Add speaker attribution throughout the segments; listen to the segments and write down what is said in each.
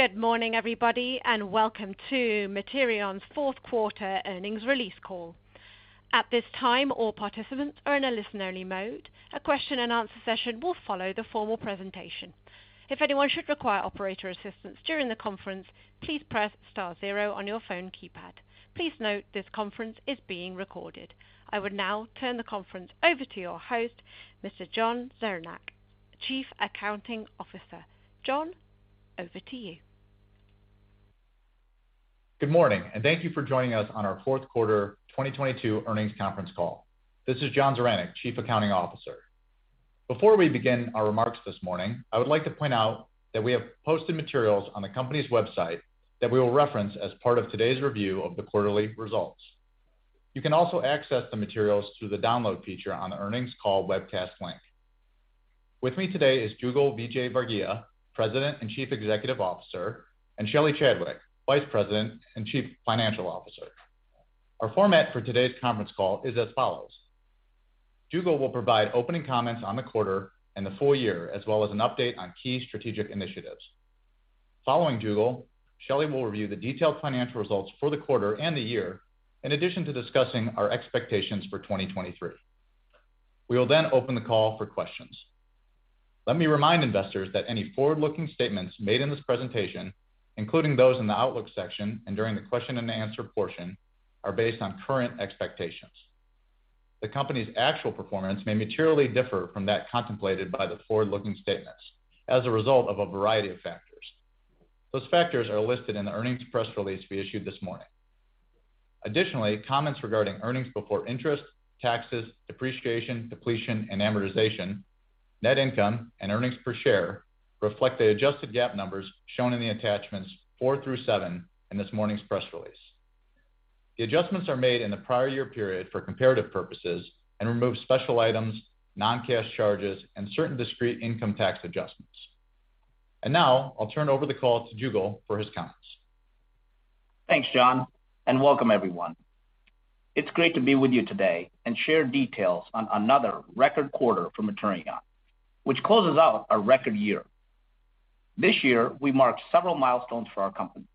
Speaker 1: Good morning, everybody, and welcome to Materion's Fourth Quarter Earnings Release Call. At this time, all participants are in a listen-only mode. A question-and-answer session will follow the formal presentation. If anyone should require operator assistance during the conference, please press star zero on your phone keypad. Please note this conference is being recorded. I would now turn the conference over to your host, Mr. John Zaranec, Chief Accounting Officer. John, over to you.
Speaker 2: Good morning, and thank you for joining us on our Fourth Quarter 2022 Earnings Conference Call. This is John Zaranec, Chief Accounting Officer. Before we begin our remarks this morning, I would like to point out that we have posted materials on the company's website that we will reference as part of today's review of the quarterly results. You can also access the materials through the Download feature on the earnings call webcast link. With me today is Jugal Vijayvargiya, President and Chief Executive Officer, and Shelley Chadwick, Vice President and Chief Financial Officer. Our format for today's conference call is as follows. Jugal will provide opening comments on the quarter and the full year, as well as an update on key strategic initiatives. Following Jugal, Shelley will review the detailed financial results for the quarter and the year, in addition to discussing our expectations for 2023. We will then open the call for questions. Let me remind investors that any forward-looking statements made in this presentation, including those in the outlook section and during the question-and-answer portion, are based on current expectations. The company's actual performance may materially differ from that contemplated by the forward-looking statements as a result of a variety of factors. Those factors are listed in the earnings press release we issued this morning. Additionally, comments regarding EBITDA, net income, and EPS reflect the adjusted GAAP numbers shown in the attachments 4 through 7 in this morning's press release. The adjustments are made in the prior year period for comparative purposes and remove special items, non-cash charges, and certain discrete income tax adjustments. Now I'll turn over the call to Jugal for his comments.
Speaker 3: Thanks, John. Welcome everyone. It's great to be with you today and share details on another record quarter for Materion, which closes out a record year. This year we marked several milestones for our company,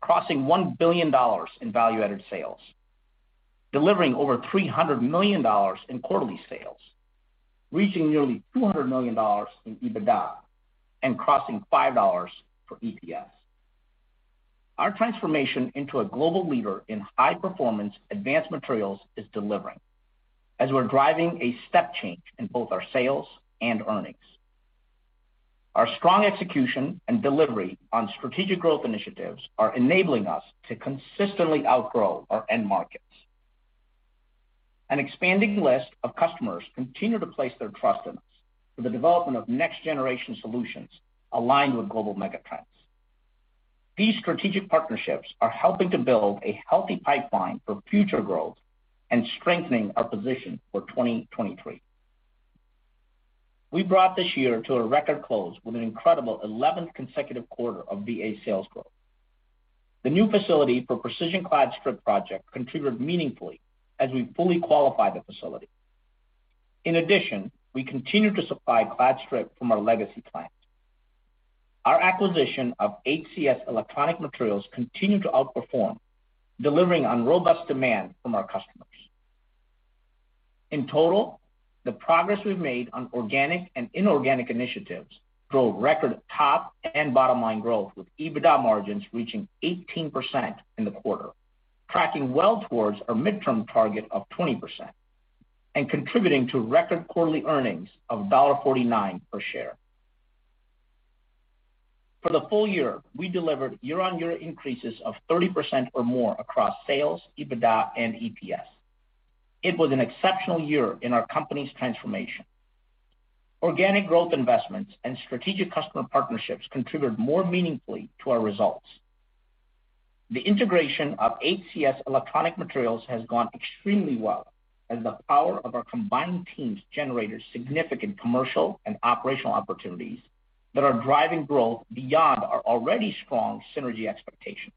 Speaker 3: crossing $1 billion in Value-added sales, delivering over $300 million in quarterly sales, reaching nearly $200 million in EBITDA, and crossing $5 for EPS. Our transformation into a global leader in high-performance advanced materials is delivering as we're driving a step change in both our sales and earnings. Our strong execution and delivery on strategic growth initiatives are enabling us to consistently outgrow our end markets. An expanding list of customers continue to place their trust in us for the development of next-generation solutions aligned with global mega trends. These strategic partnerships are helping to build a healthy pipeline for future growth and strengthening our position for 2023. We brought this year to a record close with an incredible 11th consecutive quarter of Value-added sales growth. The new facility for precision clad strip project contributed meaningfully as we fully qualify the facility. We continue to supply clad strip from our legacy plant. Our acquisition of HCS-Electronic Materials continued to outperform, delivering on robust demand from our customers. The progress we've made on organic and inorganic initiatives drove record top and bottom line growth, with EBITDA margins reaching 18% in the quarter, tracking well towards our midterm target of 20% and contributing to record quarterly earnings of $1.49 per share. For the full year, we delivered year-on-year increases of 30% or more across sales, EBITDA, and EPS. It was an exceptional year in our company's transformation. Organic growth investments and strategic customer partnerships contributed more meaningfully to our results. The integration of HCS-Electronic Materials has gone extremely well as the power of our combined teams generated significant commercial and operational opportunities that are driving growth beyond our already strong synergy expectations.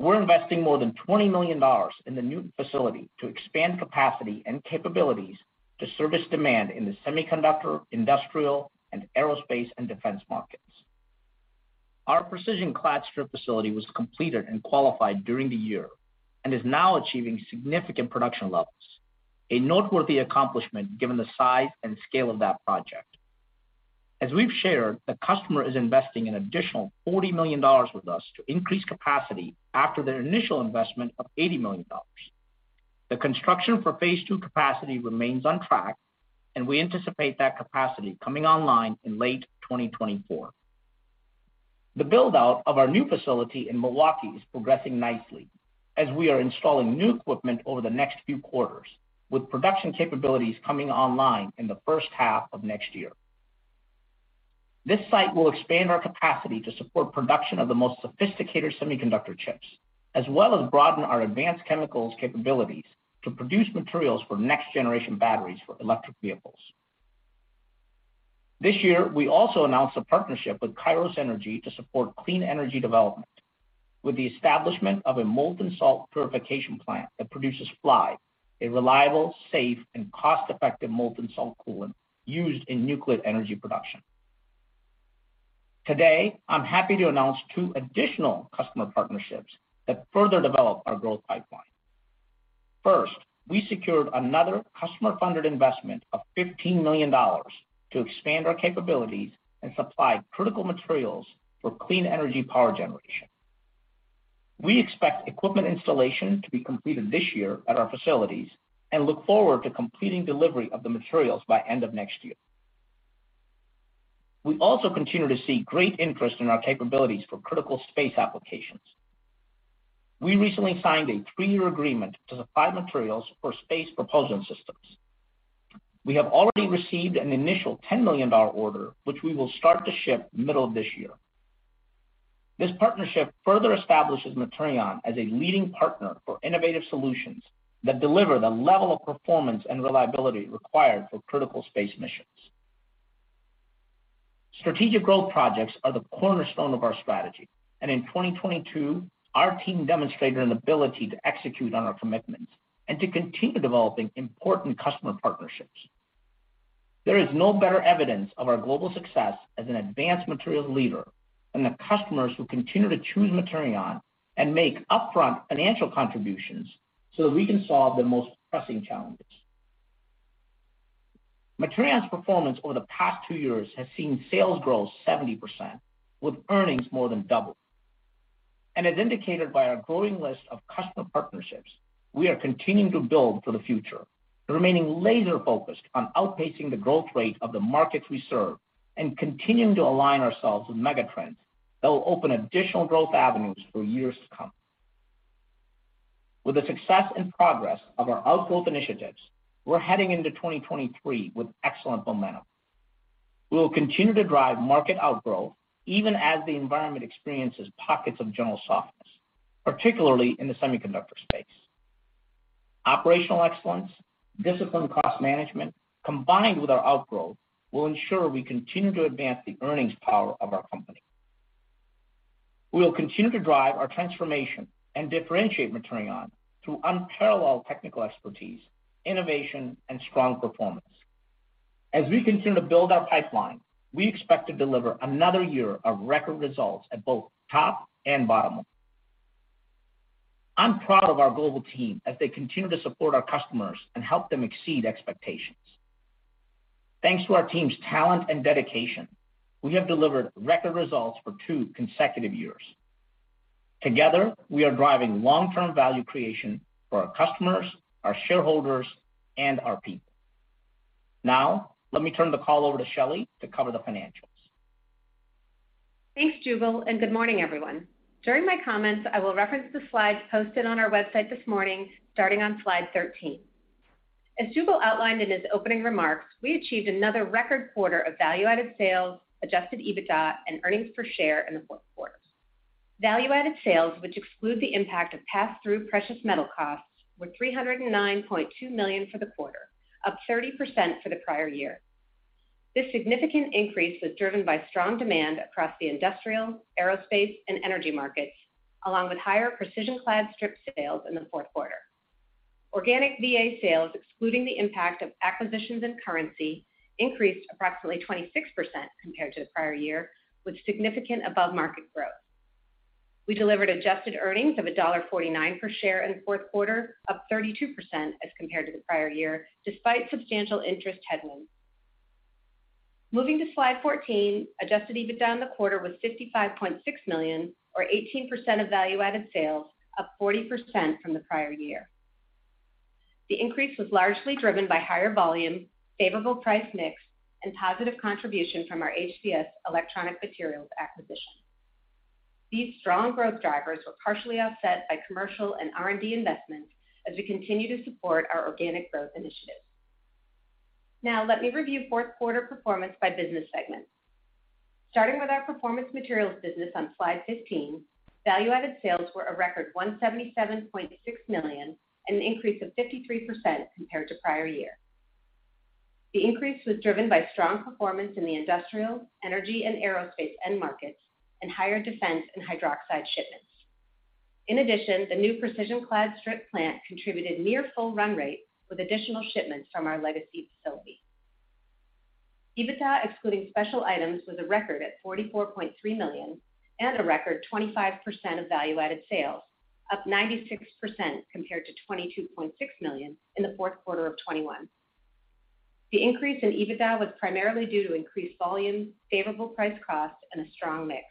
Speaker 3: We're investing more than $20 million in the new facility to expand capacity and capabilities to service demand in the semiconductor, industrial, and aerospace and defense markets. Our precision clad strip facility was completed and qualified during the year and is now achieving significant production levels, a noteworthy accomplishment given the size and scale of that project. As we've shared, the customer is investing an additional $40 million with us to increase capacity after their initial investment of $80 million. The construction for phase II capacity remains on track, and we anticipate that capacity coming online in late 2024. The build-out of our new facility in Milwaukee is progressing nicely as we are installing new equipment over the next few quarters, with production capabilities coming online in the first half of next year. This site will expand our capacity to support production of the most sophisticated semiconductor chips, as well as broaden our advanced chemicals capabilities to produce materials for next-generation batteries for electric vehicles. This year, we also announced a partnership with Kairos Power to support clean energy development. With the establishment of a molten salt purification plant that produces FLiBe, a reliable, safe, and cost-effective molten salt coolant used in nuclear energy production. Today, I'm happy to announce two additional customer partnerships that further develop our growth pipeline. We secured another customer-funded investment of $15 million to expand our capabilities and supply critical materials for clean energy power generation. We expect equipment installation to be completed this year at our facilities and look forward to completing delivery of the materials by end of next year. We also continue to see great interest in our capabilities for critical space applications. We recently signed a three-year agreement to supply materials for space propulsion systems. We have already received an initial $10 million order, which we will start to ship middle of this year. This partnership further establishes Materion as a leading partner for innovative solutions that deliver the level of performance and reliability required for critical space missions. Strategic growth projects are the cornerstone of our strategy, and in 2022, our team demonstrated an ability to execute on our commitments and to continue developing important customer partnerships. There is no better evidence of our global success as an advanced materials leader than the customers who continue to choose Materion and make upfront financial contributions so that we can solve the most pressing challenges. Materion's performance over the past two years has seen sales grow 70%, with earnings more than double. As indicated by our growing list of customer partnerships, we are continuing to build for the future, remaining laser-focused on outpacing the growth rate of the markets we serve and continuing to align ourselves with megatrends that will open additional growth avenues for years to come. With the success and progress of our outgrowth initiatives, we're heading into 2023 with excellent momentum. We will continue to drive market outgrowth even as the environment experiences pockets of general softness, particularly in the semiconductor space. Operational excellence, disciplined cost management, combined with our outgrowth, will ensure we continue to advance the earnings power of our company. We will continue to drive our transformation and differentiate Materion through unparalleled technical expertise, innovation, and strong performance. As we continue to build our pipeline, we expect to deliver another year of record results at both top and bottom. I'm proud of our global team as they continue to support our customers and help them exceed expectations. Thanks to our team's talent and dedication, we have delivered record results for two consecutive years. Together, we are driving long-term value creation for our customers, our shareholders, and our people. Let me turn the call over to Shelley to cover the financials.
Speaker 4: Thanks, Jugal, and good morning, everyone. During my comments, I will reference the slides posted on our website this morning, starting on slide 13. As Jugal outlined in his opening remarks, we achieved another record quarter of Value-added sales, adjusted EBITDA, and earnings per share in the fourth quarter. Value-added sales, which exclude the impact of pass-through precious metal costs, were $309.2 million for the quarter, up 30% for the prior year. This significant increase was driven by strong demand across the industrial, aerospace, and energy markets, along with higher precision clad strip sales in the fourth quarter. Organic VA sales, excluding the impact of acquisitions and currency, increased approximately 26% compared to the prior year, with significant above-market growth. We delivered adjusted earnings of $1.49 per share in the fourth quarter, up 32% as compared to the prior year, despite substantial interest headwinds. Moving to slide 14, adjusted EBITDA in the quarter was $55.6 million, or 18% of Value-added sales, up 40% from the prior year. The increase was largely driven by higher volume, favorable price mix, and positive contribution from our HCS-Electronic Materials acquisition. These strong growth drivers were partially offset by commercial and R&D investments as we continue to support our organic growth initiatives. Now let me review fourth quarter performance by business segment. Starting with our Performance Materials business on Slide 15, Value-added sales were a record $177.6 million, an increase of 53% compared to prior year. The increase was driven by strong performance in the industrial, energy, and aerospace end markets and higher defense and hydroxide shipments. In addition, the new precision clad strip plant contributed near full run rate with additional shipments from our legacy facility. EBITDA, excluding special items, was a record at $44.3 million and a record 25% of Value-added sales, up 96% compared to $22.6 million in the fourth quarter of 2021. The increase in EBITDA was primarily due to increased volume, favorable price cost, and a strong mix.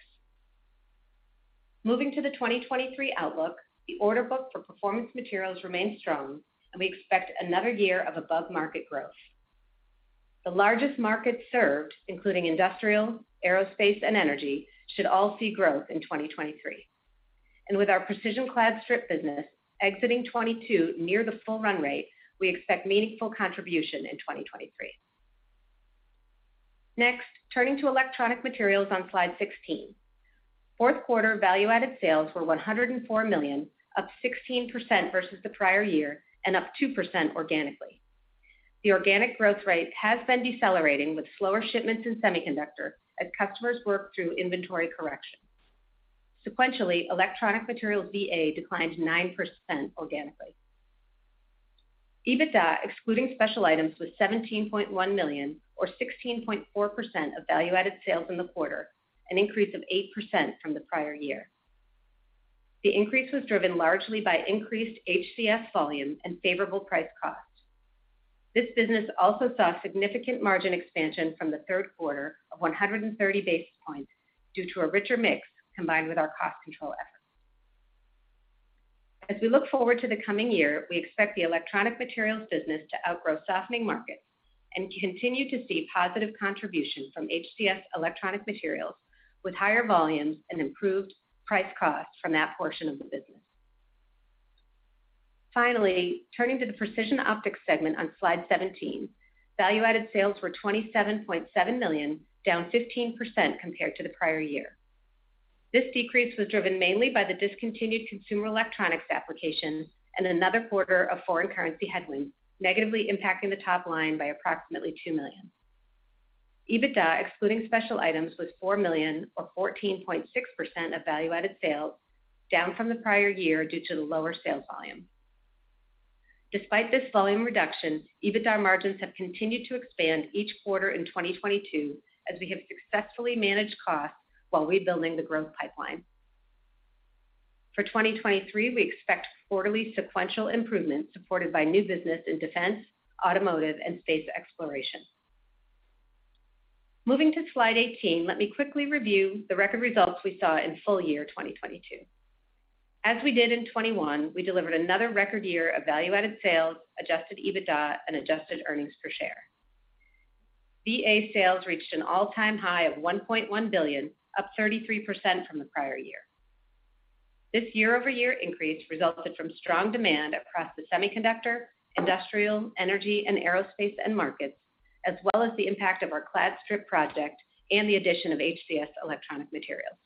Speaker 4: Moving to the 2023 outlook, the order book for Performance Materials remains strong, and we expect another year of above-market growth. The largest market served, including industrial, aerospace, and energy, should all see growth in 2023. With our precision clad strip business exiting 2022 near the full run rate, we expect meaningful contribution in 2023. Turning to Electronic Materials on Slide 16. Fourth quarter value-added sales were $104 million, up 16% versus the prior year and up 2% organically. The organic growth rate has been decelerating with slower shipments in semiconductor as customers work through inventory correction. Sequentially, Electronic Materials VA declined 9% organically. EBITDA, excluding special items, was $17.1 million or 16.4% of Value-added sales in the quarter, an increase of 8% from the prior year. The increase was driven largely by increased HCS volume and favorable price cost. This business also saw significant margin expansion from the third quarter of 130 basis points due to a richer mix combined with our cost control efforts. As we look forward to the coming year, we expect the Electronic Materials business to outgrow softening markets and continue to see positive contribution from HCS-Electronic Materials with higher volumes and improved price cost from that portion of the business. Turning to the Precision Optics segment on slide 17. Value-added sales were $27.7 million, down 15% compared to the prior year. This decrease was driven mainly by the discontinued consumer electronics applications and another quarter of foreign currency headwinds, negatively impacting the top line by approximately $2 million. EBITDA, excluding special items, was $4 million or 14.6% of Value-added sales, down from the prior year due to the lower sales volume. Despite this volume reduction, EBITDA margins have continued to expand each quarter in 2022 as we have successfully managed costs while rebuilding the growth pipeline. For 2023, we expect quarterly sequential improvements supported by new business in defense, automotive, and space exploration. Moving to slide 18, let me quickly review the record results we saw in full year 2022. As we did in 2021, we delivered another record year of Value-added sales, adjusted EBITDA, and adjusted earnings per share. VA sales reached an all-time high of $1.1 billion, up 33% from the prior year. This year-over-year increase resulted from strong demand across the semiconductor, industrial, energy, and aerospace end markets, as well as the impact of our clad strip project and the addition of HCS-Electronic Materials.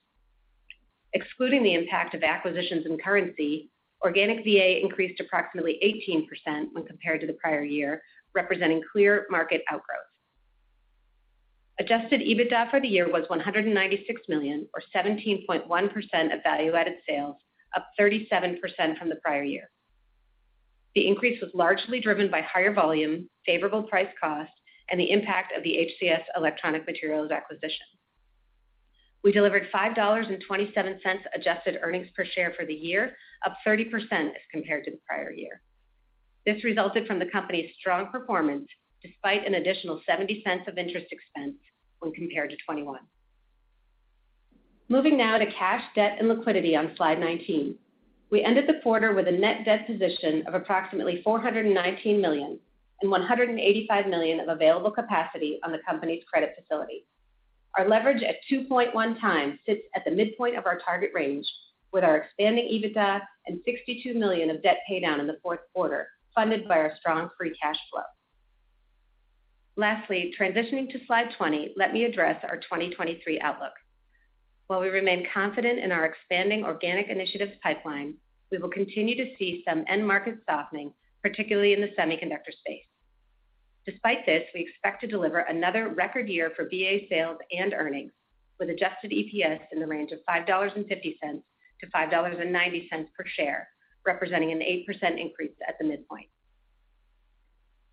Speaker 4: Excluding the impact of acquisitions and currency, organic VA increased approximately 18% when compared to the prior year, representing clear market outgrowth. Adjusted EBITDA for the year was $196 million, or 17.1% of Value-added sales, up 37% from the prior year. The increase was largely driven by higher volume, favorable price cost, and the impact of the HCS Electronic Materials acquisition. We delivered $5.27 adjusted earnings per share for the year, up 30% as compared to the prior year. This resulted from the company's strong performance, despite an additional $0.70 of interest expense when compared to 2021. Moving now to cash, debt, and liquidity on slide 19. We ended the quarter with a net debt position of approximately $419 million and $185 million of available capacity on the company's credit facility. Our leverage at 2.1x sits at the midpoint of our target range with our expanding EBITDA and $62 million of debt paydown in the fourth quarter, funded by our strong free cash flow. Lastly, transitioning to slide 20, let me address our 2023 outlook. While we remain confident in our expanding organic initiatives pipeline, we will continue to see some end market softening, particularly in the semiconductor space. Despite this, we expect to deliver another record year for VA sales and earnings, with adjusted EPS in the range of $5.50-$5.90 per share, representing an 8% increase at the midpoint.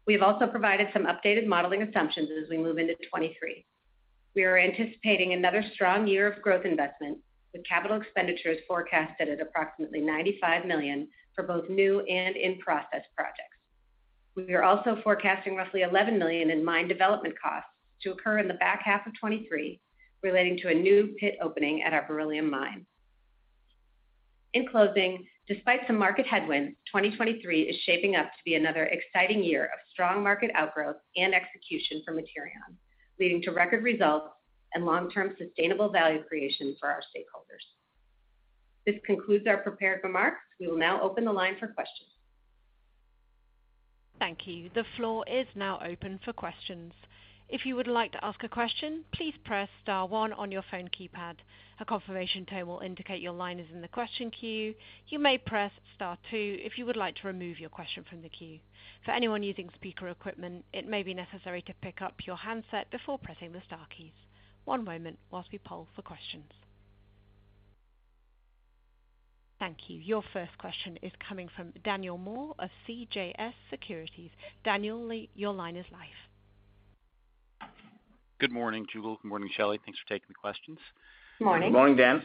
Speaker 4: We have also provided some updated modeling assumptions as we move into 2023. We are anticipating another strong year of growth investment, with CapEx forecasted at approximately $95 million for both new and in-process projects. We are also forecasting roughly $11 million in mine development costs to occur in the back half of 2023, relating to a new pit opening at our beryllium mine. In closing, despite some market headwinds, 2023 is shaping up to be another exciting year of strong market outgrowth and execution for Materion, leading to record results and long-term sustainable value creation for our stakeholders. This concludes our prepared remarks. We will now open the line for questions.
Speaker 1: Thank you. The floor is now open for questions. If you would like to ask a question, please press star one on your phone keypad. A confirmation tone will indicate your line is in the question queue. You may press star two if you would like to remove your question from the queue. For anyone using speaker equipment, it may be necessary to pick up your handset before pressing the star keys. One moment while we poll for questions. Thank you. Your first question is coming from Daniel Moore of CJS Securities. Daniel, your line is live.
Speaker 5: Good morning, Jugal. Good morning, Shelley. Thanks for taking the questions.
Speaker 4: Morning.
Speaker 3: Morning, Dan.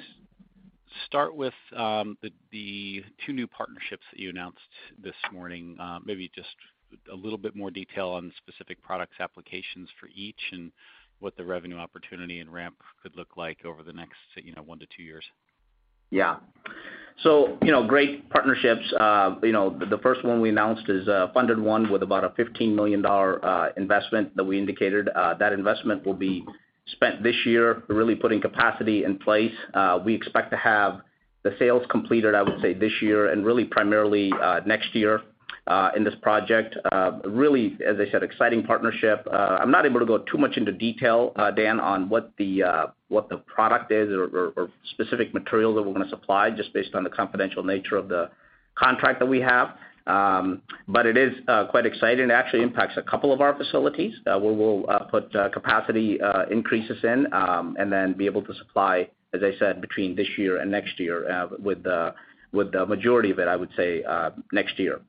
Speaker 5: Start with the two new partnerships that you announced this morning. Maybe just a little bit more detail on the specific products applications for each and what the revenue opportunity and ramp could look like over the next, you know, one to two years.
Speaker 3: Yeah. You know, great partnerships. You know, the first one we announced is, funded one with about a $15 million, investment that we indicated. That investment will be spent this year, really putting capacity in place. We expect to have the sales completed, I would say, this year and really primarily, next year, in this project. Really, as I said, exciting partnership. I'm not able to go too much into detail, Dan, on what the product is or specific materials that we're gonna supply just based on the confidential nature of the contract that we have. It is, quite exciting. It actually impacts a couple of our facilities, where we'll put capacity increases in, and then be able to supply, as I said, between this year and next year, with the majority of it, I would say, next year.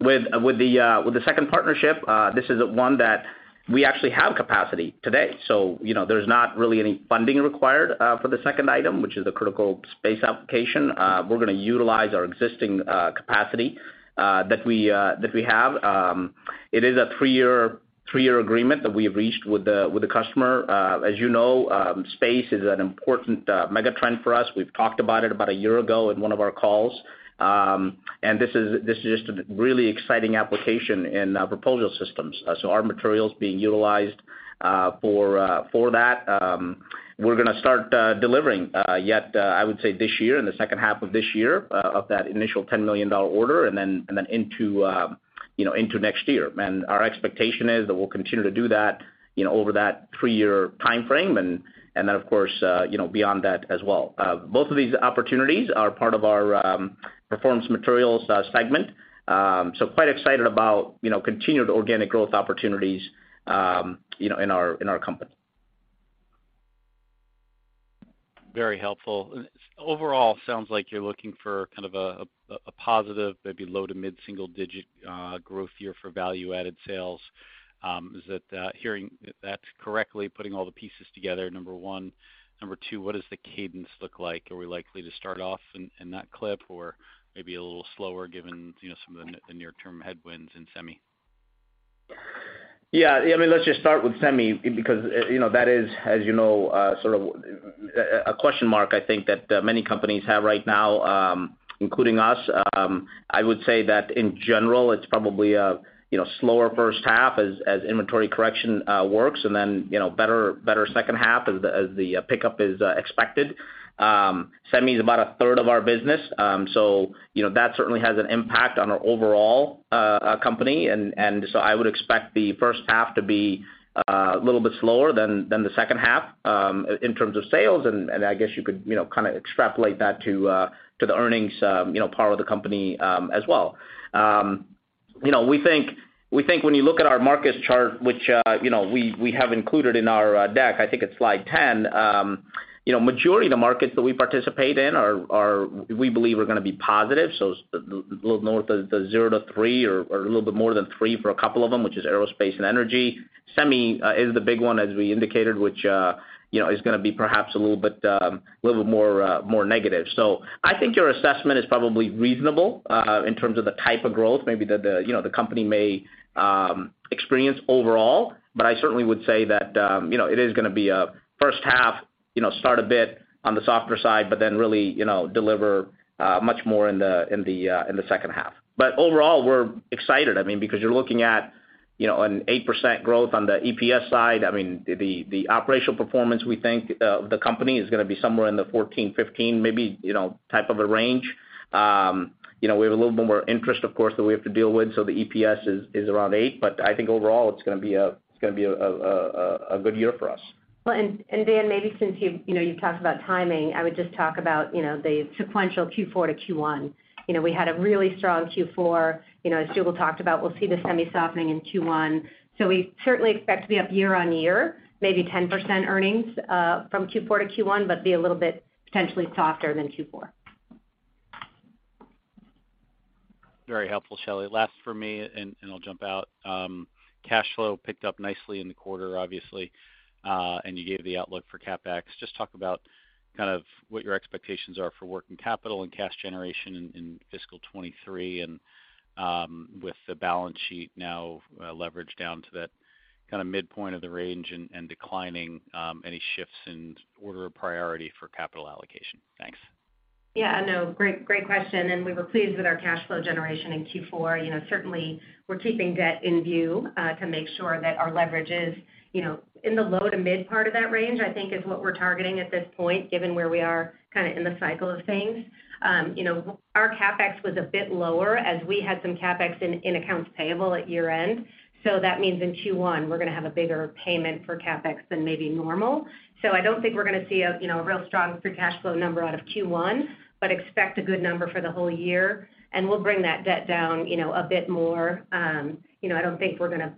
Speaker 3: With the second partnership, this is one that we actually have capacity today. You know, there's not really any funding required for the second item, which is the critical space application. We're gonna utilize our existing capacity that we have. It is a 3-year agreement that we have reached with the customer. As you know, space is an important mega trend for us. We've talked about it about a year ago in one of our calls. This is just a really exciting application in proposal systems. Our materials being utilized for that, we're gonna start delivering yet, I would say this year, in the second half of this year, of that initial $10 million order, and then into, you know, into next year. Our expectation is that we'll continue to do that, you know, over that three-year timeframe, and then, of course, you know, beyond that as well. Both of these opportunities are part of our Performance Materials segment. Quite excited about, you know, continued organic growth opportunities, you know, in our company.
Speaker 5: Very helpful. Overall, sounds like you're looking for kind of a positive, maybe low to mid single-digit growth year for Value-added sales. Is that hearing that correctly, putting all the pieces together, number one? Number two, what does the cadence look like? Are we likely to start off in that clip or maybe a little slower given, you know, some of the near term headwinds in semi?
Speaker 3: Yeah, I mean, let's just start with semi because, you know, that is, as you know, sort of a question mark, I think, that many companies have right now, including us. I would say that in general, it's probably a, you know, slower first half as inventory correction works, and then, you know, better second half as the pickup is expected. Semi is about a third of our business. You know, that certainly has an impact on our overall company. I would expect the first half to be a little bit slower than the second half in terms of sales. I guess you could, you know, kinda extrapolate that to the earnings, you know, part of the company as well. you know, we think when you look at our markets chart, which, you know, we have included in our deck, I think it's slide 10. you know, majority of the markets that we participate in we believe are going to be positive, so a little north of the 0 to 3 or a little bit more than 3 for a couple of them, which is aerospace and energy. Semi is the big one, as we indicated, which, you know, is going to be perhaps a little bit a little more more negative. I think your assessment is probably reasonable in terms of the type of growth maybe that the, you know, the company may experience overall. I certainly would say that, you know, it is gonna be a first half, you know, start a bit on the softer side, but then really, you know, deliver much more in the second half. Overall, we're excited. I mean, because you're looking at, you know, an 8% growth on the EPS side. I mean, the operational performance, we think, the company is gonna be somewhere in the 14%-15% maybe, you know, type of a range. You know, we have a little bit more interest, of course, that we have to deal with, so the EPS is around 8%. I think overall, it's gonna be a good year for us.
Speaker 4: Well, and Dan, maybe since you've, you know, you've talked about timing, I would just talk about, you know, the sequential Q4 to Q1. You know, we had a really strong Q4. You know, as Jugal talked about, we'll see the semi softening in Q1. We certainly expect to be up year-over-year, maybe 10% earnings from Q4 to Q1, but be a little bit potentially softer than Q4.
Speaker 5: Very helpful, Shelley. Last for me, and I'll jump out. Cash flow picked up nicely in the quarter, obviously, and you gave the outlook for CapEx. Just talk about kind of what your expectations are for working capital and cash generation in fiscal 2023 and with the balance sheet now, leverage down to that kinda midpoint of the range and declining, any shifts in order of priority for capital allocation. Thanks.
Speaker 4: Yeah, no. Great, great question. We were pleased with our cash flow generation in Q4. You know, certainly we're keeping debt in view to make sure that our leverage is, you know, in the low to mid part of that range, I think is what we're targeting at this point, given where we are kinda in the cycle of things. You know, our CapEx was a bit lower as we had some CapEx in accounts payable at year-end. That means in Q1, we're gonna have a bigger payment for CapEx than maybe normal. I don't think we're gonna see a, you know, a real strong free cash flow number out of Q1. Expect a good number for the whole year. We'll bring that debt down, you know, a bit more. You know, I don't think we're gonna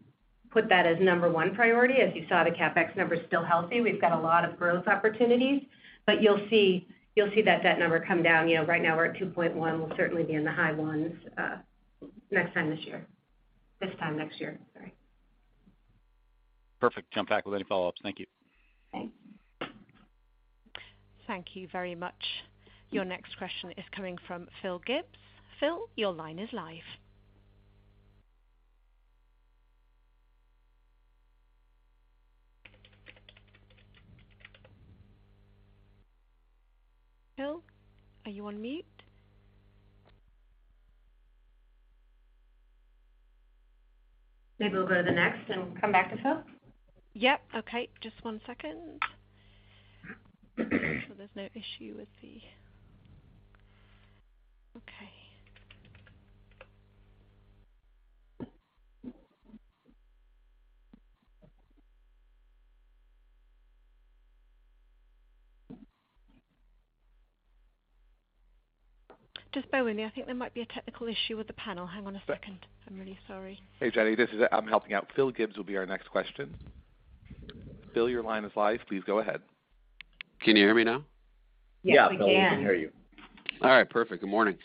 Speaker 4: put that as number one priority. As you saw, the CapEx number is still healthy. We've got a lot of growth opportunities. You'll see that debt number come down. You know, right now we're at 2.1. We'll certainly be in the high ones, next time this year. This time next year. Sorry.
Speaker 5: Perfect. Jump back with any follow-ups. Thank you.
Speaker 4: Thanks.
Speaker 1: Thank you very much. Your next question is coming from Phil Gibbs. Phil, your line is live. Phil, are you on mute?
Speaker 4: Maybe we'll go to the next and come back to Phil.
Speaker 1: Yep. Okay. Just one second. There's no issue. Okay. Just bear with me. I think there might be a technical issue with the panel. Hang on a second. I'm really sorry.
Speaker 6: Hey, Jenny, this is Ed. I'm helping out. Phil Gibbs will be our next question. Phil, your line is live. Please go ahead.
Speaker 7: Can you hear me now?
Speaker 6: Yeah, Phil, we can hear you.
Speaker 7: All right. Perfect. Good morning.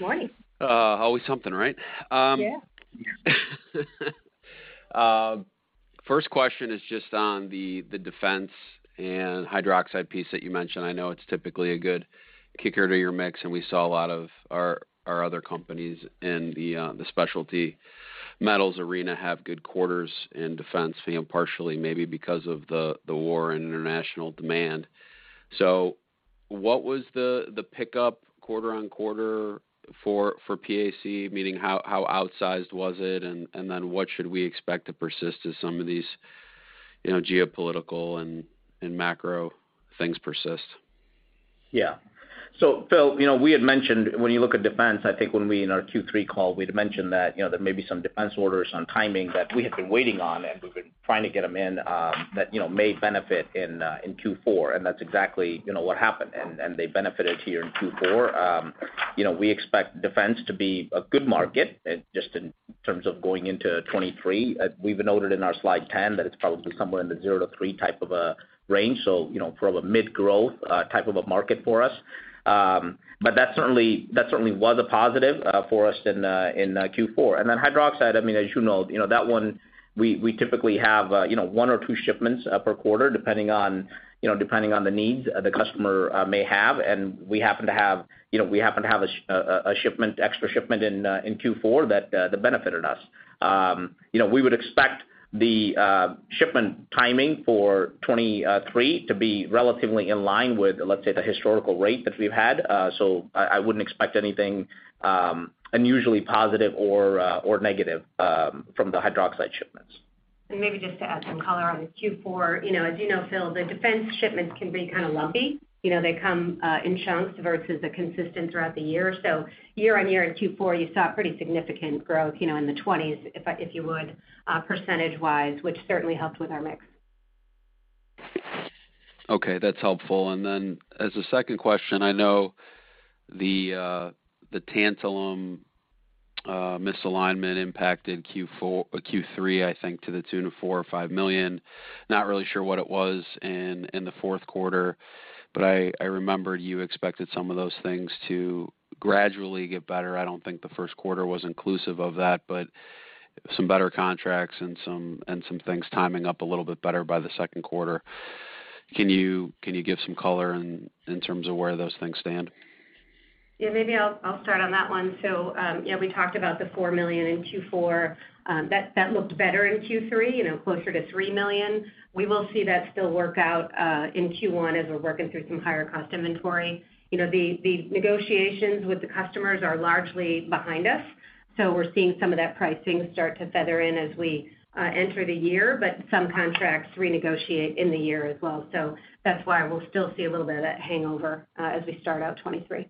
Speaker 4: Morning.
Speaker 7: Always something, right?
Speaker 4: Yeah.
Speaker 7: First question is just on the defense and Hydroxide piece that you mentioned. I know it's typically a good kicker to your mix, and we saw a lot of our other companies in the specialty metals arena have good quarters in defense, you know, partially maybe because of the war and international demand. What was the pickup quarter-on-quarter for PAC? Meaning how outsized was it, and then what should we expect to persist as some of these, you know, geopolitical and macro things persist?
Speaker 3: Yeah. Phil, you know, we had mentioned when you look at defense, I think when we in our Q3 call, we'd mentioned that, you know, there may be some defense orders on timing that we have been waiting on, and we've been trying to get them in, that, you know, may benefit in Q4, and that's exactly, you know, what happened, and they benefited here in Q4. You know, we expect defense to be a good market, just in terms of going into 2023. We've noted in our slide 10 that it's probably somewhere in the 0-3 type of a range, so you know, probably mid-growth, type of a market for us. That certainly was a positive for us in Q4. Hydroxide, I mean, as you know, you know, that one we typically have, you know, one or two shipments per quarter depending on, you know, depending on the needs the customer may have. We happen to have, you know, we happen to have a shipment, extra shipment in Q4 that benefited us. You know, we would expect the shipment timing for 2023 to be relatively in line with, let's say, the historical rate that we've had. I wouldn't expect anything unusually positive or negative from the hydroxide shipments.
Speaker 4: Maybe just to add some color on the Q4. You know, as you know, Phil, the defense shipments can be kind of lumpy. You know, they come, in chunks versus a consistent throughout the year. Year-on-year in Q4, you saw pretty significant growth, you know, in the 20s, if you would, percentage-wise, which certainly helped with our mix.
Speaker 7: Okay, that's helpful. As a second question, I know the tantalum misalignment impacted Q3, I think to the tune of $4 million or $5 million. Not really sure what it was in the fourth quarter, I remembered you expected some of those things to gradually get better. I don't think the first quarter was inclusive of that, some better contracts and some things timing up a little bit better by the second quarter. Can you give some color in terms of where those things stand?
Speaker 4: Maybe I'll start on that one. We talked about the $4 million in Q4 that looked better in Q3, you know, closer to $3 million. We will see that still work out in Q1 as we're working through some higher cost inventory. You know, the negotiations with the customers are largely behind us, so we're seeing some of that pricing start to feather in as we enter the year. Some contracts renegotiate in the year as well. That's why we'll still see a little bit of that hangover as we start out 2023.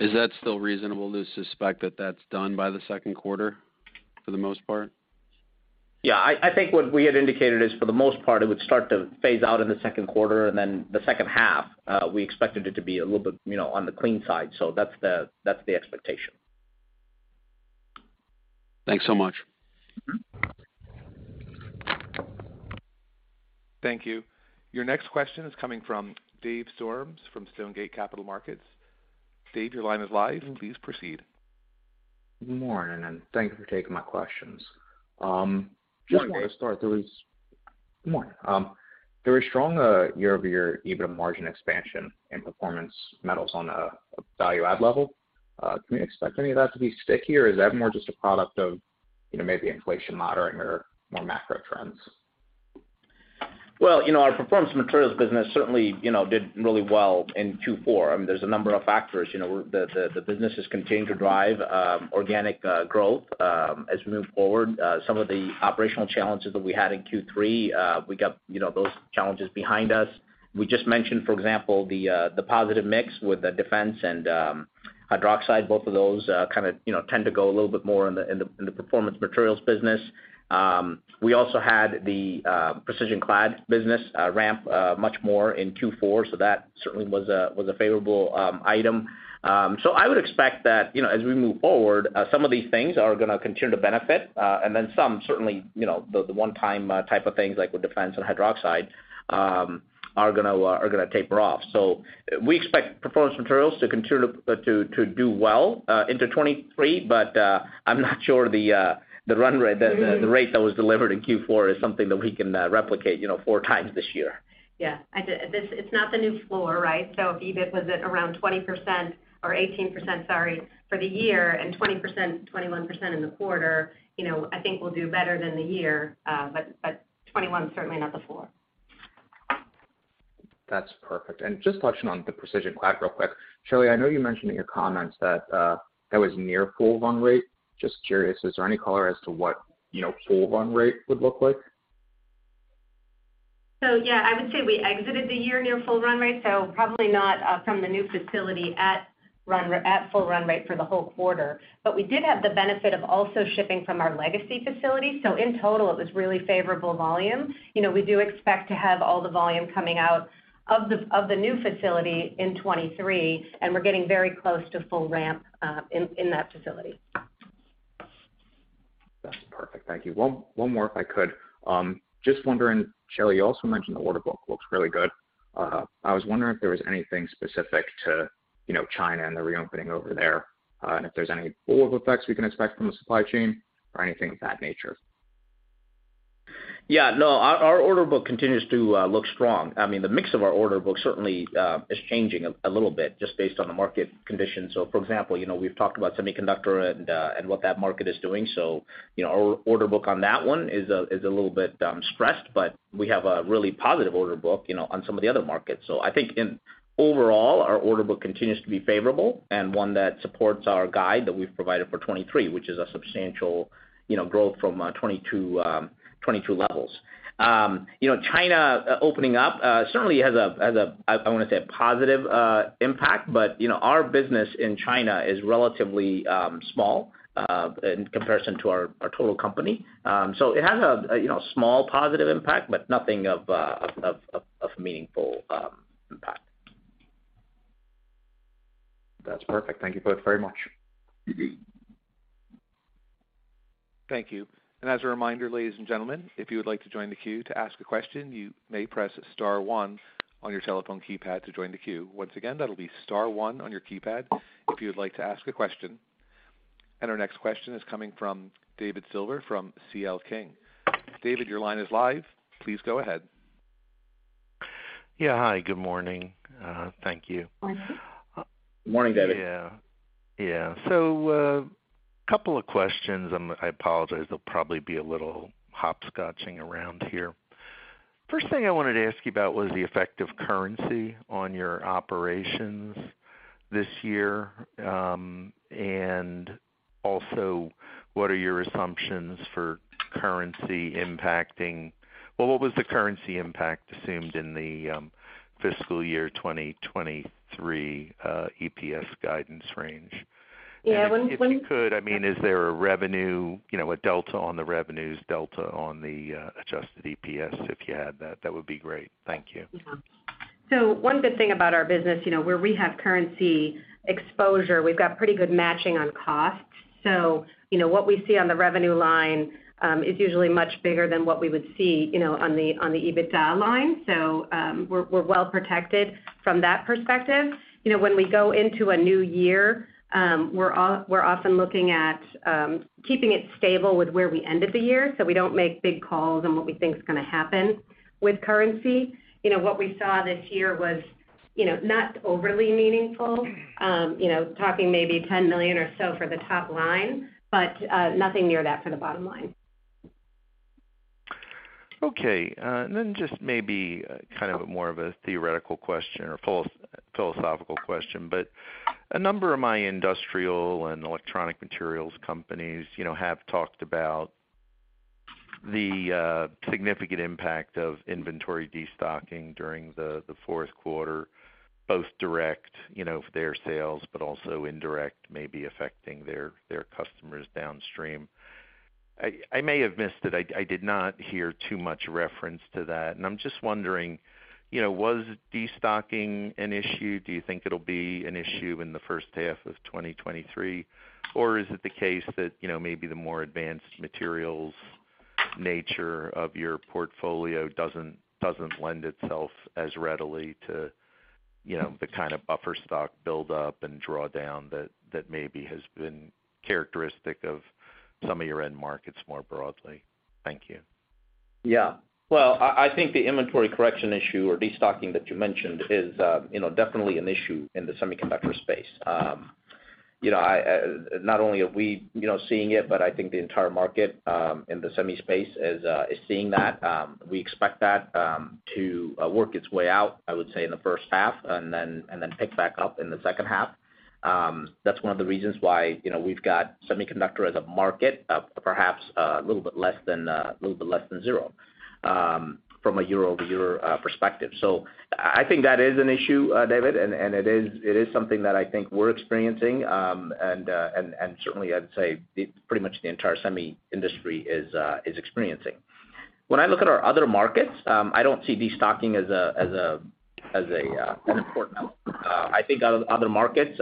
Speaker 7: Is that still reasonable to suspect that that's done by the second quarter for the most part?
Speaker 3: Yeah. I think what we had indicated is for the most part it would start to phase out in the second quarter and then the second half, we expected it to be a little bit, you know, on the clean side. That's the expectation.
Speaker 7: Thanks so much.
Speaker 6: Thank you. Your next question is coming from Dave Storms from Stonegate Capital Markets. Dave, your line is live. Please proceed.
Speaker 8: Good morning, thank you for taking my questions. Just wanted to start.
Speaker 4: Good morning.
Speaker 8: Good morning. There was strong, year-over-year EBITDA margin expansion in Performance Materials on a value-add level. Can we expect any of that to be stickier, or is that more just a product of, you know, maybe inflation moderating or more macro trends?
Speaker 3: Well, you know, our Performance Materials business certainly, you know, did really well in Q4. I mean, there's a number of factors. You know, the business has continued to drive organic growth as we move forward. Some of the operational challenges that we had in Q3, we got, you know, those challenges behind us. We just mentioned, for example, the positive mix with the defense and hydroxide. Both of those, kind of, you know, tend to go a little bit more in the Performance Materials business. We also had the Precision Clad business ramp much more in Q4, so that certainly was a favorable item. I would expect that, you know, as we move forward, some of these things are gonna continue to benefit. And then some certainly, you know, the one-time type of things like with defense and hydroxide are gonna taper off. We expect Performance Materials to continue to do well into 2023, but I'm not sure the run rate, the rate that was delivered in Q4 is something that we can replicate, you know, four times this year.
Speaker 4: It's not the new floor, right? If EBIT was at around 20% or 18%, sorry, for the year and 20%, 21% in the quarter, you know, I think we'll do better than the year. 21's certainly not the floor.
Speaker 8: That's perfect. Just touching on the precision clad real quick. Shelley, I know you mentioned in your comments that that was near full run rate. Just curious, is there any color as to what, you know, full run rate would look like?
Speaker 4: Yeah, I would say we exited the year near full run rate, probably not from the new facility at full run rate for the whole quarter. We did have the benefit of also shipping from our legacy facility. In total, it was really favorable volume. You know, we do expect to have all the volume coming out of the new facility in 2023, and we're getting very close to full ramp in that facility.
Speaker 8: That's perfect. Thank you. One more if I could. Just wondering, Shelley, you also mentioned the order book looks really good. I was wondering if there was anything specific to, you know, China and the reopening over there, and if there's any spill-over effects we can expect from the supply chain or anything of that nature.
Speaker 3: Yeah, no, our order book continues to look strong. I mean, the mix of our order book certainly is changing a little bit just based on the market conditions. For example, you know, we've talked about semiconductor and what that market is doing. You know, our order book on that one is a little bit stressed, but we have a really positive order book, you know, on some of the other markets. I think in overall, our order book continues to be favorable and one that supports our guide that we've provided for 2023, which is a substantial, you know, growth from 2022 levels. You know, China opening up certainly has a, I wanna say a positive impact. You know, our business in China is relatively small in comparison to our total company. So it has a, you know, small positive impact, but nothing of meaningful impact.
Speaker 8: That's perfect. Thank you both very much.
Speaker 3: Mm-hmm.
Speaker 6: Thank you. As a reminder, ladies and gentlemen, if you would like to join the queue to ask a question, you may press star one on your telephone keypad to join the queue. Once again, that'll be star one on your keypad if you would like to ask a question. Our next question is coming from David Silver from C.L. King. David, your line is live. Please go ahead.
Speaker 9: Yeah. Hi, good morning. Thank you.
Speaker 4: Mm-hmm.
Speaker 3: Morning, David.
Speaker 9: Yeah. Yeah. Couple of questions, and I apologize, they'll probably be a little hopscotching around here. First thing I wanted to ask you about was the effect of currency on your operations this year. What was the currency impact assumed in the fiscal year 2023 EPS guidance range?
Speaker 4: Yeah. When.
Speaker 9: If you could, I mean is there a revenue, you know, a delta on the revenues, delta on the adjusted EPS, if you had that would be great. Thank you.
Speaker 4: One good thing about our business, you know, where we have currency exposure, we've got pretty good matching on costs. What we see on the revenue line, you know, is usually much bigger than what we would see, you know, on the EBITDA line. We're well protected from that perspective. You know, when we go into a new year, we're often looking at keeping it stable with where we ended the year, so we don't make big calls on what we think is gonna happen with currency. You know, what we saw this year was, you know, not overly meaningful, you know, talking maybe $10 million or so for the top line, but nothing near that for the bottom line.
Speaker 9: Okay. Just maybe kind of more of a theoretical question or philosophical question, but a number of my industrial and electronic materials companies, you know, have talked about the significant impact of inventory destocking during the fourth quarter, both direct, you know, for their sales but also indirect, maybe affecting their customers downstream. I may have missed it. I did not hear too much reference to that, and I'm just wondering, you know, was destocking an issue? Do you think it'll be an issue in the first half of 2023? Or is it the case that, you know, maybe the more advanced materials nature of your portfolio doesn't lend itself as readily to, you know, the kind of buffer stock buildup and drawdown that maybe has been characteristic of some of your end markets more broadly? Thank you.
Speaker 3: Well, I think the inventory correction issue or destocking that you mentioned is, you know, definitely an issue in the semiconductor space. You know, I, not only are we, you know, seeing it, but I think the entire market in the semi space is seeing that. We expect that to work its way out, I would say, in the first half and then pick back up in the second half. That's one of the reasons why, you know, we've got semiconductor as a market, perhaps a little bit less than zero from a year-over-year perspective. I think that is an issue, David, and it is something that I think we're experiencing. Certainly I'd say it's pretty much the entire semi industry is experiencing. When I look at our other markets, I don't see destocking as an important element. I think other markets,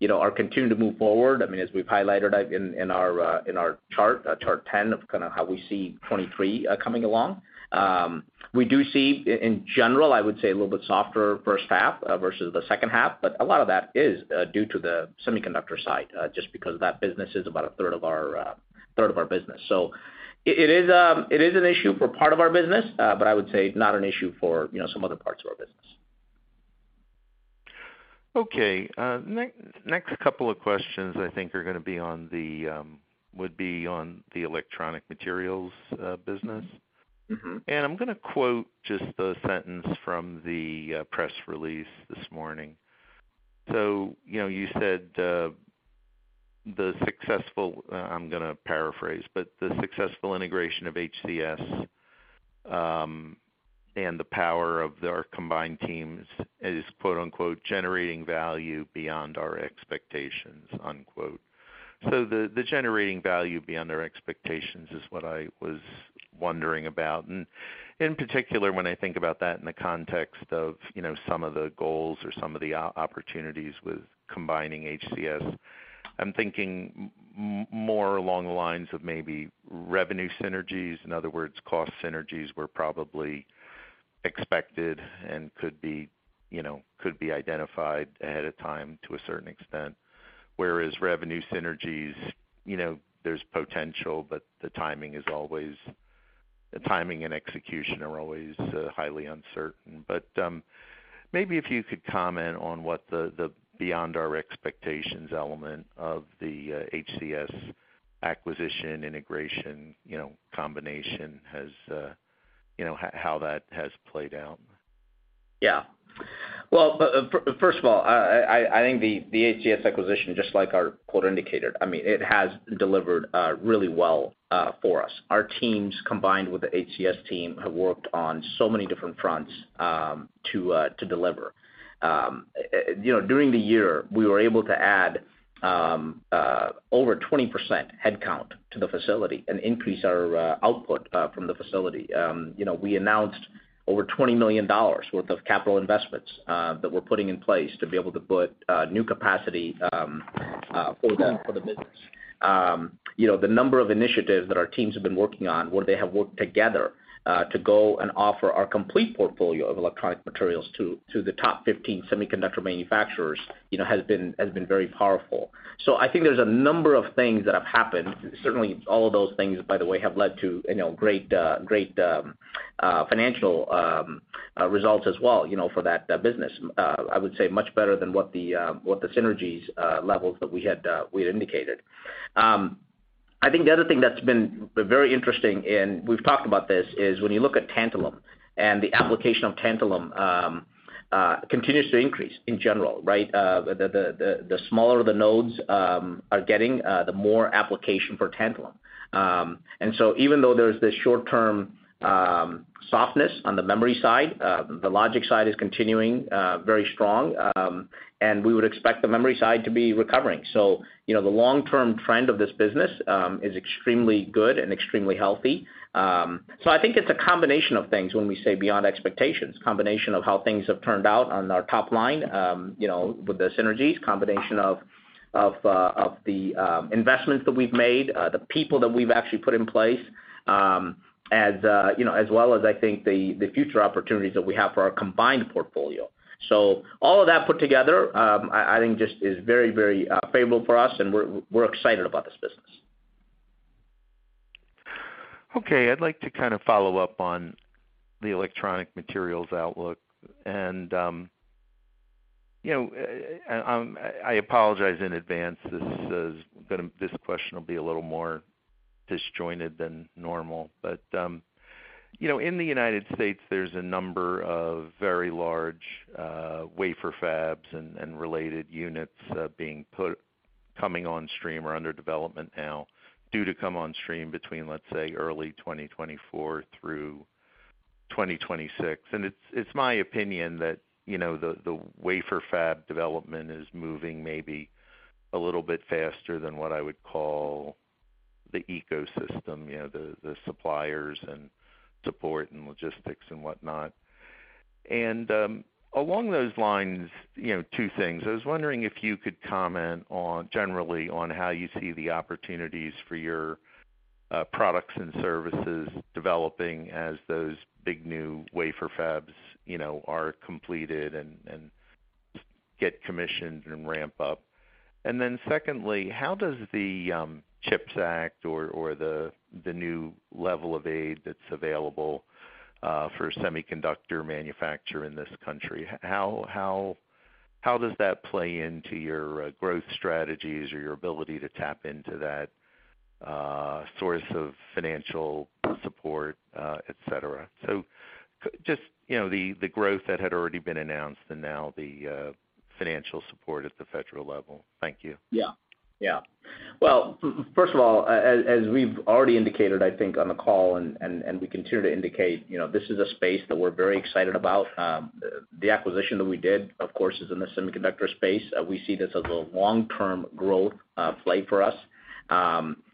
Speaker 3: you know, are continuing to move forward. I mean, as we've highlighted in our chart 10 of kinda how we see 2023 coming along. We do see in general, I would say a little bit softer first half versus the second half, but a lot of that is due to the semiconductor side, just because that business is about a third of our business. It is an issue for part of our business, but I would say not an issue for, you know, some other parts of our business.
Speaker 9: Okay. Next couple of questions I think are gonna be on the Electronic Materials business.
Speaker 3: Mm-hmm.
Speaker 9: I'm gonna quote just a sentence from the press release this morning. You know, you said, The successful, I'm gonna paraphrase, but the successful integration of HCS, and the power of their combined teams is quote-unquote, generating value beyond our expectations, unquote. The generating value beyond our expectations is what I was wondering about. In particular, when I think about that in the context of, you know, some of the goals or some of the opportunities with combining HCS, I'm thinking more along the lines of maybe revenue synergies. In other words, cost synergies were probably expected and could be, you know, could be identified ahead of time to a certain extent. Whereas revenue synergies, you know, there's potential, but the timing and execution are always highly uncertain. Maybe if you could comment on what the beyond our expectations element of the HCS acquisition, integration, you know, combination has, you know, how that has played out.
Speaker 3: Well, first of all, I think the HCS acquisition, just like our quote indicated, I mean, it has delivered really well for us. Our teams, combined with the HCS team, have worked on so many different fronts to deliver. You know, during the year, we were able to add over 20% headcount to the facility and increase our output from the facility. You know, we announced over $20 million worth of capital investments that we're putting in place to be able to put new capacity for them, for the business. You know, the number of initiatives that our teams have been working on, where they have worked together, to go and offer our complete portfolio of Electronic Materials to the top 15 semiconductor manufacturers, you know, has been very powerful. I think there's a number of things that have happened. Certainly, all of those things, by the way, have led to, you know, great financial results as well, you know, for that business. I would say much better than what the synergies levels that we had indicated. I think the other thing that's been very interesting, and we've talked about this, is when you look at tantalum, and the application of tantalum, continues to increase in general, right? The smaller the nodes are getting, the more application for tantalum. Even though there's this short-term softness on the memory side, the logic side is continuing very strong. We would expect the memory side to be recovering. You know, the long-term trend of this business is extremely good and extremely healthy. I think it's a combination of things when we say beyond expectations, combination of how things have turned out on our top line, you know, with the synergies, combination of the investments that we've made, the people that we've actually put in place, you know, as well as I think the future opportunities that we have for our combined portfolio. All of that put together, I think, just is very favorable for us, and we're excited about this business.
Speaker 9: Okay, I'd like to kind of follow up on the Electronic Materials outlook. You know, I apologize in advance. This question will be a little more disjointed than normal. You know, in the United States, there's a number of very large wafer fabs and related units coming on stream or under development now, due to come on stream between, let's say, early 2024 through 2026. It's, it's my opinion that, you know, the wafer fab development is moving maybe a little bit faster than what I would call the ecosystem, you know, the suppliers and support and logistics and whatnot. Along those lines, you know, two things. I was wondering if you could comment on, generally, on how you see the opportunities for your products and services developing as those big new wafer fabs, you know, are completed and get commissioned and ramp up. Then secondly, how does the Chips Act or the new level of aid that's available for semiconductor manufacture in this country, how does that play into your growth strategies or your ability to tap into that source of financial support, et cetera? Just, you know, the growth that had already been announced and now the financial support at the federal level. Thank you.
Speaker 3: Yeah. Yeah. Well, first of all, as we've already indicated, I think, on the call and we continue to indicate, you know, this is a space that we're very excited about. The acquisition that we did, of course, is in the semiconductor space. We see this as a long-term growth play for us.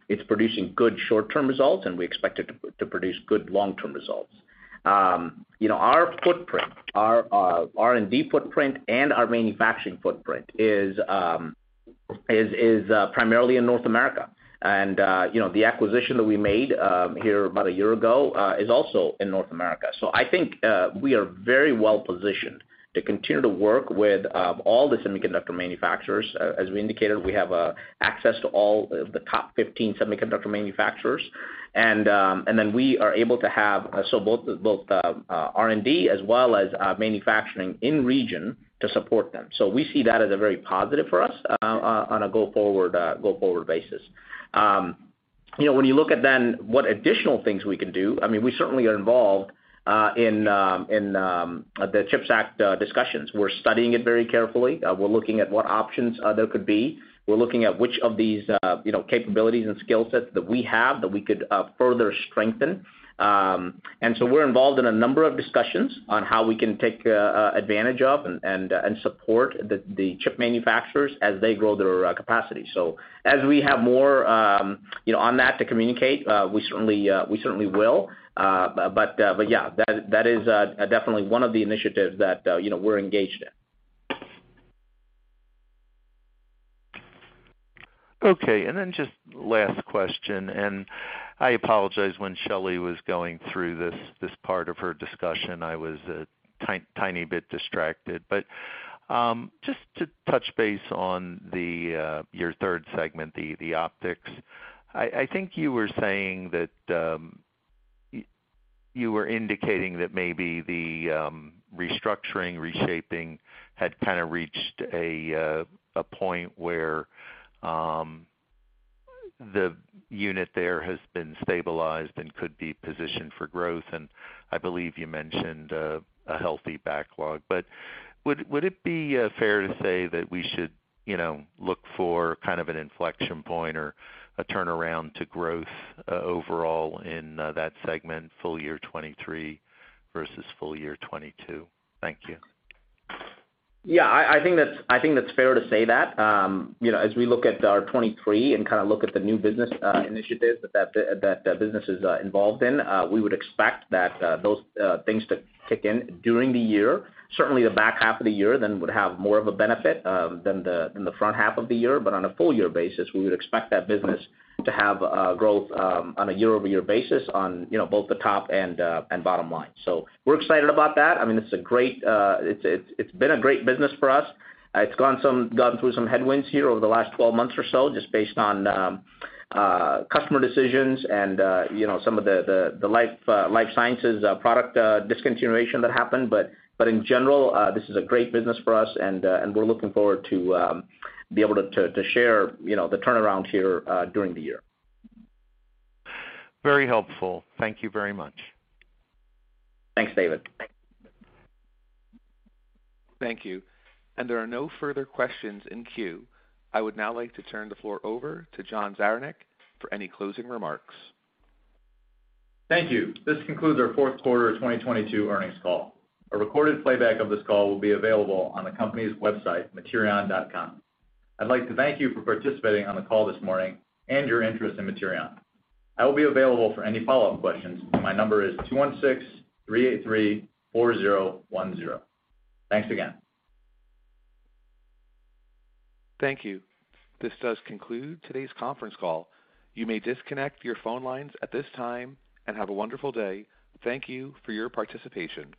Speaker 3: It's producing good short-term results, and we expect it to produce good long-term results. You know, our footprint, our R&D footprint and our manufacturing footprint is primarily in North America. You know, the acquisition that we made here about a year ago, is also in North America. I think we are very well positioned to continue to work with all the semiconductor manufacturers. As we indicated, we have access to all the top 15 semiconductor manufacturers. Then we are able to have so both R&D as well as manufacturing in region to support them. We see that as a very positive for us on a go forward basis. You know, when you look at then what additional things we can do, I mean, we certainly are involved in the CHIPS Act discussions. We're studying it very carefully. We're looking at what options there could be. We're looking at which of these, you know, capabilities and skill sets that we have that we could further strengthen. We're involved in a number of discussions on how we can take advantage of and support the chip manufacturers as they grow their capacity. As we have more, you know, on that to communicate, we certainly will. But yeah, that is definitely one of the initiatives that, you know, we're engaged in.
Speaker 9: Okay. Just last question. I apologize when Shelley was going through this part of her discussion, I was a tiny bit distracted. Just to touch base on the your third segment, the Optics. I think you were saying that you were indicating that maybe the restructuring, reshaping had kind of reached a point where the unit there has been stabilized and could be positioned for growth, and I believe you mentioned a healthy backlog. Would it be fair to say that we should, you know, look for kind of an inflection point or a turnaround to growth overall in that segment, full year 2023 versus full year 2022? Thank you.
Speaker 3: Yeah, I think that's fair to say that. You know, as we look at our 2023 and kind of look at the new business initiatives that the business is involved in, we would expect that those things to kick in during the year. Certainly, the back half of the year then would have more of a benefit than the front half of the year. On a full year basis, we would expect that business to have growth on a year-over-year basis on, you know, both the top and bottom line. We're excited about that. I mean, it's a great, it's been a great business for us. It's gone through some headwinds here over the last 12 months or so, just based on customer decisions and, you know, some of the life sciences, product, discontinuation that happened. In general, this is a great business for us and we're looking forward to be able to share, you know, the turnaround here during the year.
Speaker 9: Very helpful. Thank you very much.
Speaker 3: Thanks, David.
Speaker 1: Thank you. There are no further questions in queue. I would now like to turn the floor over to John Zaranec for any closing remarks.
Speaker 2: Thank you. This concludes our fourth quarter of 2022 earnings call. A recorded playback of this call will be available on the company's website, materion.com. I'd like to thank you for participating on the call this morning and your interest in Materion. I will be available for any follow-up questions. My number is 216-383-4010. Thanks again.
Speaker 6: Thank you. This does conclude today's conference call. You may disconnect your phone lines at this time, and have a wonderful day. Thank you for your participation.